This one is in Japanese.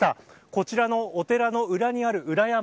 こちらのお寺の裏にある裏山